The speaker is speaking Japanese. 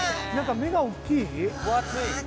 なんか目が大きい。